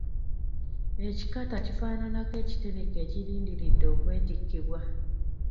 Ekikata kifaananako ekitereke ekirindiridde okwetikkibwa.